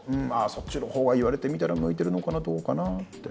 そっちの方が言われてみたら向いてるのかなどうかなって。